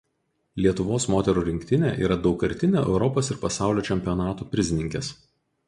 Lietuvos moterų rinktinė yra daugkartinė Europos ir pasaulio čempionatų prizininkės.